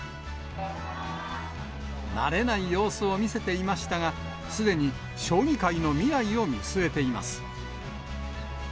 慣れない様子を見せていましたが、すでに将棋界の未来を見据えています。